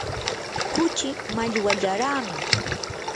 kuchii mallwallaraami.